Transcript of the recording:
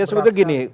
ya seperti gini